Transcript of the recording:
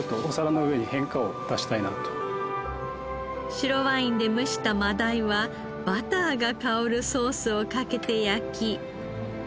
白ワインで蒸したマダイはバターが香るソースをかけて焼き。